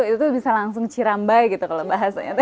itu tuh bisa langsung dirambai kalau bahasanya ini